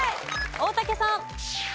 大竹さん。